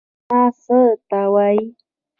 اجماع څه ته وایي؟